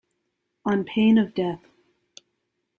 On pain of death.